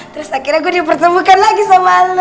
terus akhirnya gue dipertemukan lagi sama